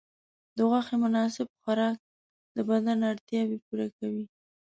د غوښې مناسب خوراک د بدن اړتیاوې پوره کوي.